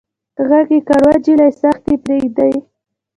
غږ يې کړ وه جلۍ سختي پرېدئ.